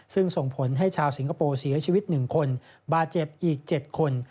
ซึ่งส่งผลให้ชาวสิงคโปร์เสียชีวิต๑คนบาดเจ็บอีก๗คน